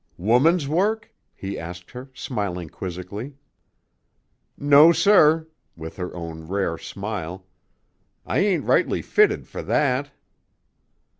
"Woman's work?" he asked her, smiling quizzically. "No, sir," with her own rare smile; "I ain't rightly fitted for that."